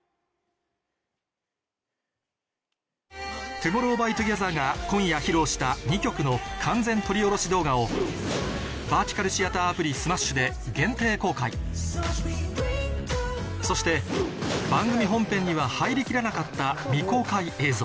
ＴＯＭＯＲＲＯＷＸＴＯＧＥＴＨＥＲが今夜披露した２曲の完全撮り下ろし動画をバーティカルシアターアプリｓｍａｓｈ．で限定公開そして番組本編には入り切らなかった未公開映像